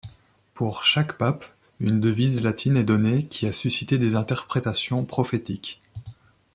Pour chaque pape, une devise latine est donnée qui a suscité des interprétations prophétiques.